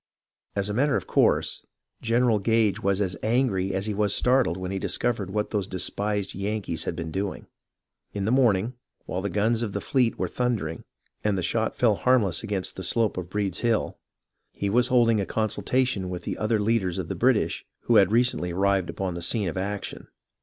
As a matter of course, General Gage was as angry as he was startled when he discovered what those despised Yankees had been doing. In the morning, while the guns of the fleet were thundering, and the shot fell harmless against the slope of Breed's Hill, he was holding a consulta tion with the other leaders of the British who had recently arrived upon the scene of action.